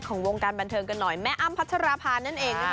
วงการบันเทิงกันหน่อยแม่อ้ำพัชราภานั่นเองนะคะ